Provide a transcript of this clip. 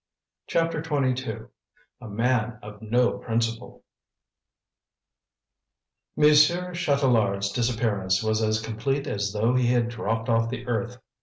CHAPTER XXII A MAN OF NO PRINCIPLE Monsieur Chatelard's disappearance was as complete as though he had dropped off the earth.